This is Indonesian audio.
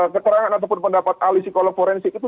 keterangan ataupun pendapat ahli psikolog forensik itu